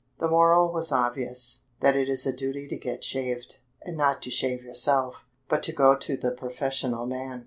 The moral was obvious; that it is a duty to get shaved, and not to shave yourself, but to go to the professional man.